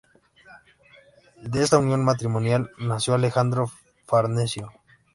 De esta unión matrimonial nació Alejandro Farnesio.